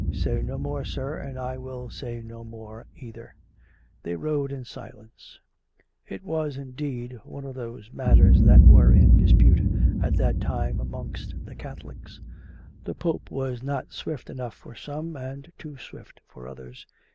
Say no more, sir; and I will say no more either." They rode in silence. COME RACK! COME ROPE! S3 It was^ indeed, one of those matters that were in dispute at that time amongst the Catholics. The Pope was not swift enough for some, and too swift for others.